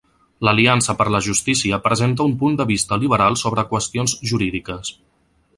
L'Aliança per la Justícia presenta un punt de vista liberal sobre qüestions jurídiques.